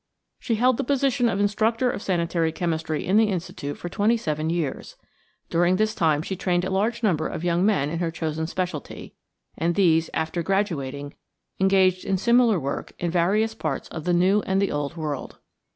She held the position of instructor of sanitary chemistry in the institute for twenty seven years. During this time she trained a large number of young men in her chosen specialty, and these, after graduating, engaged in similar work in various parts of the New and the Old World.